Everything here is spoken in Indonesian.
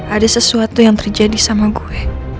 ada sesuatu yang terjadi sama gue